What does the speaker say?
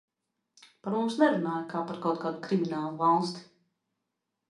Par mums nerunāja kā par kaut kādu kriminālu valsti.